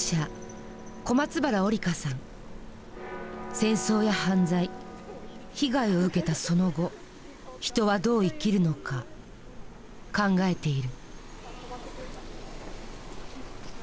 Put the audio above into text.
戦争や犯罪被害を受けた「その後」人はどう生きるのか考えている。